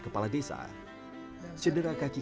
kepala desa cedera kaki